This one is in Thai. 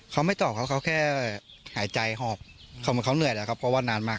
เขาไม่ตอบเขาแค่หายใจหอบเขาเหนื่อยแหละครับเพราะว่านานมาก